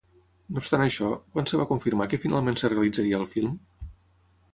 No obstant això, quan es va confirmar que finalment es realitzaria el film?